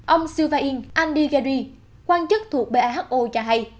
ông sylvain andighieri quan chức thuộc who cho hay